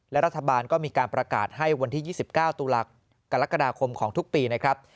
และรัฐบาลก็มีการประกาศให้วันที่๒๙กรกฎาคมของทุกปีนะครับ